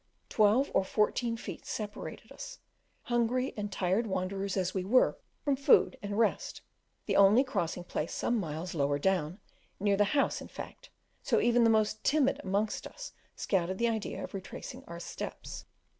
Twelve or fourteen feet separated us, hungry and tired wanderers as we were, from food and rest; the only crossing place was some miles lower down, near the house in fact; so even the most timid amongst us scouted the idea of retracing our steps.